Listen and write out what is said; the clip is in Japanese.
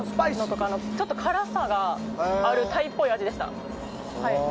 ちょっと辛さがあるタイっぽい味でした。